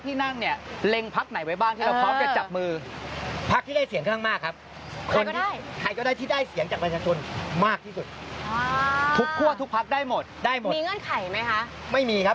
ทำไมต้องเปลี่ยนอืมทำไมต้องเปลี่ยนทุกคนก็อยากเปลี่ยนไหมฮะ